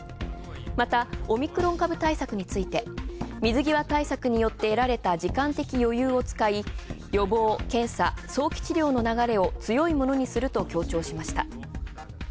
また、オミクロン株対策について水際対策によって得られた時間的余裕を使い予防、検査、早期治療の流れを強いものにすると強調しました。